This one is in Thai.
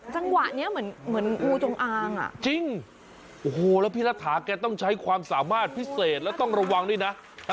จังหวะนี้เหมือนงูจงอางอ่ะจริงโอ้โหแล้วพี่รัฐาแกต้องใช้ความสามารถพิเศษแล้วต้องระวังด้วยนะ